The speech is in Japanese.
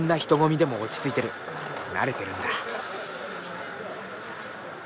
慣れてるんだ。